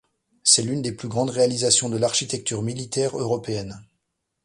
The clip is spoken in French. C'est l'une des plus grandes réalisations de l'architecture militaire européenne.